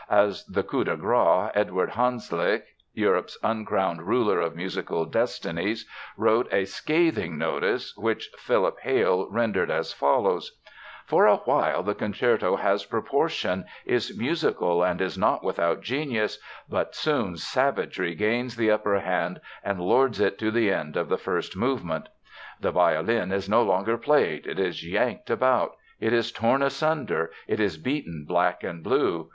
As the coup de grâce Eduard Hanslick, Europe's uncrowned ruler of musical destinies, wrote a scathing notice, which Philip Hale rendered as follows: "For a while the concerto has proportion, is musical, and is not without genius, but soon savagery gains the upper hand and lords it to the end of the first movement. "The violin is no longer played. It is yanked about. It is torn asunder. It is beaten black and blue.